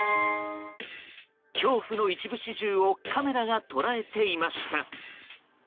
恐怖の一部始終をカメラが捉えていました。